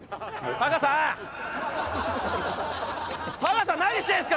タカさん何してるんですか！